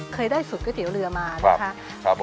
เคยได้สูตรก๋วยเตี๋ยวเรือมานะคะ